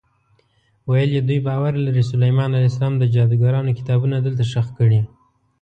ویل یې دوی باور لري سلیمان علیه السلام د جادوګرانو کتابونه دلته ښخ کړي.